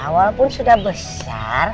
walaupun sudah besar